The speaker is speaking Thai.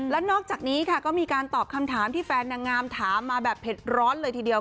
แล้วนอกจากนี้ค่ะก็มีการตอบคำถามที่แฟนนางงามถามมาแบบเผ็ดร้อนเลยทีเดียว